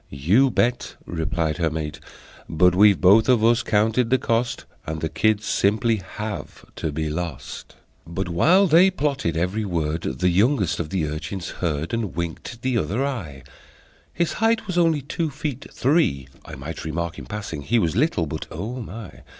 "You bet!" replied her mate: "But we've both of us counted the cost, And the kids simply have to be lost!" But, while they plotted, every word The youngest of the urchins heard, And winked the other eye; His height was only two feet three. (I might remark, in passing, he Was little, but O My!)